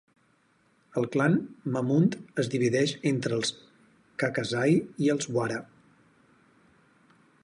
El clan Mamund es divideix entre els kakazai i els wara.